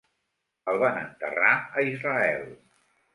El van enterrar a Israel.